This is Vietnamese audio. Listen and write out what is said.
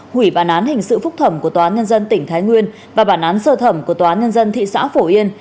hủy bản án hình sự phúc thẩm của tòa án nhân dân tỉnh thái nguyên và bản án sơ thẩm của tòa án nhân dân thị xã phổ yên